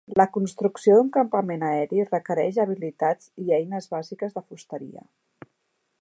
La construcció d'un campament aeri requereix habilitats i eines bàsiques de fusteria.